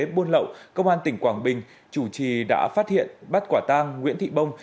buôn lậu công an tỉnh quảng bình chủ trì đã phát hiện bắt quả tang nguyễn thị bông